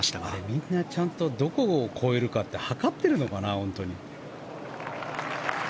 みんな、ちゃんとどこを越えるかって測ってるのかな。